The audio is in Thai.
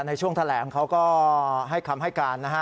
ในช่วงแถลงเขาก็ให้คำให้การนะฮะ